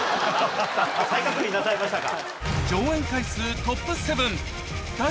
再確認なさいましたか。